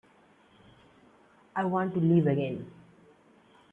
I want to live again.